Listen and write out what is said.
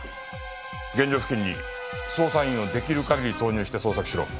現場付近に捜査員を出来る限り投入して捜索しろ。